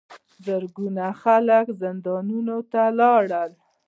زرګونه خلک زندانونو ته لاړل.